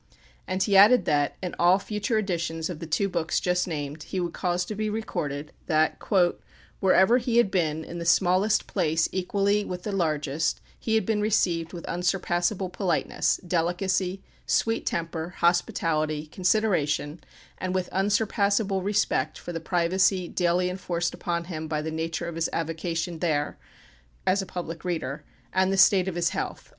And he added that, in all future editions of the two books just named, he would cause to be recorded, that, "wherever he had been, in the smallest place equally with the largest, he had been received with unsurpassable politeness, delicacy, sweet temper, hospitality, consideration, and with unsurpassable respect for the privacy daily enforced upon him by the nature of his avocation there" (as a public reader), "and the state of his health."